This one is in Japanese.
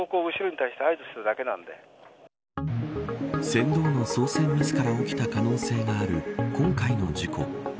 船頭の操船ミスから起きた可能性がある今回の事故。